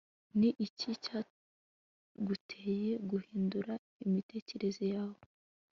ni iki cyaguteye guhindura imitekerereze yawe